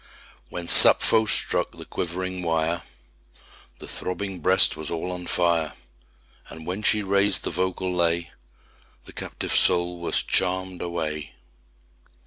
1 When Sappho struck the quivering wire, The throbbing breast was all on fire; And when she raised the vocal lay, The captive soul was charm'd away!